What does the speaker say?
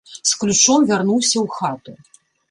З ключом вярнуўся ў хату.